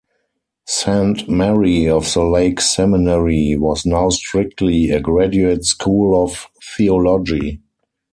Saint Mary of the Lake Seminary was now strictly a graduate school of theology.